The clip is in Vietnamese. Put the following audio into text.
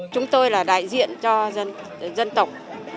chúng tôi là đại diện cho dân tộc